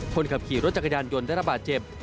คนขับขี่รถจักรยานยนต์ได้ระบาดเจ็บ